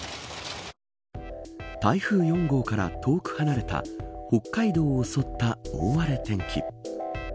台風４号から遠く離れた北海道を襲った大荒れ天気。